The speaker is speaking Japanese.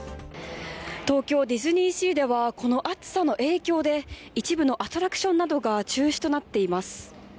東京ディズニーシーではこの暑さの影響で、一部のアトラクションなどが中止となっています。